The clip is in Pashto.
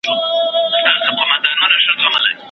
چي له بازه به ورک لوری د یرغل سو